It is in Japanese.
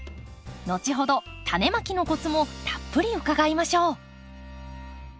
後ほどタネまきのコツもたっぷり伺いましょう。